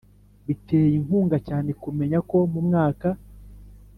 Biteye inkunga cyane kumenya ko mu mwaka